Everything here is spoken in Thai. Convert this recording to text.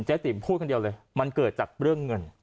ติ๋มพูดคนเดียวเลยมันเกิดจากเรื่องเงิน